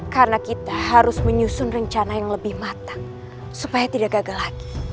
karena kita harus menyusun rencana yang lebih matang supaya tidak gagal lagi